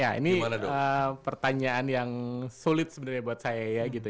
ya ini pertanyaan yang sulit sebenarnya buat saya ya gitu